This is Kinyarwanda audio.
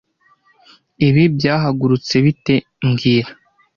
Ibi byahagurutse bite mbwira